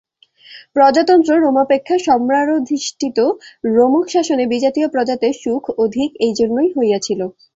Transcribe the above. প্রজাতন্ত্র রোমাপেক্ষা সম্রাড়ধিষ্ঠিত রোমক-শাসনে বিজাতীয় প্রজাদের সুখ অধিক এজন্যই হইয়াছিল।